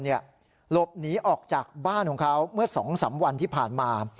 หลบหนีออกจากบ้านของเขาเมื่อ๒๓วันที่ผ่านมา